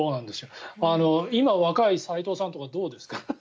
今、若い斎藤さんとかどうですか。